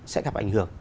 sẽ gặp ảnh hưởng